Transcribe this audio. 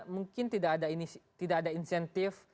mungkin tidak ada insentif